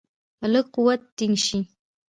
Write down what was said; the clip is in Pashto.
په لږ قوت ټینګ شي.